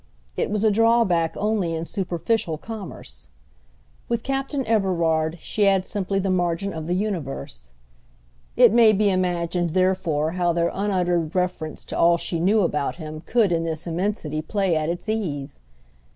It was a drawback only in superficial commerce. With Captain Everard she had simply the margin of the universe. It may be imagined therefore how their unuttered reference to all she knew about him could in this immensity play at its ease.